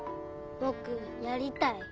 ぼくやりたい。